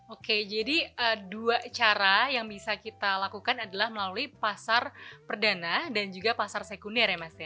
oke jadi dua cara yang bisa kita lakukan adalah melalui pasar perdana dan juga pasar sekunder ya mas ya